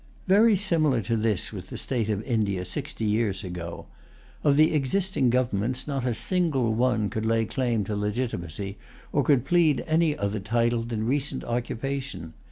Very similar to this was the state of India sixty years ago. Of the existing governments not a single one could lay claim to legitimacy, or could plead any other title than recent occupation.